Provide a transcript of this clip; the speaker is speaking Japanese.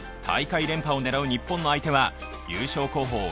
大会連覇を狙う日本の相手は優勝候補